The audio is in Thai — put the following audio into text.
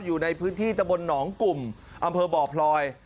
อยู่ในพื้นที่ตะบนหนองกลุ่มอำเภอบ่อพลอย